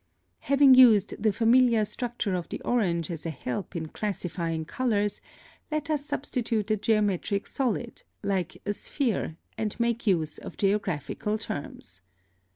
+ (12) Having used the familiar structure of the orange as a help in classifying colors, let us substitute a geometric solid, like a sphere, and make use of geographical terms.